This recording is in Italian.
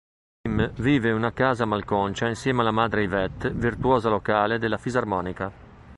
Pim vive in una casa malconcia insieme alla madre Yvette, virtuosa locale della fisarmonica.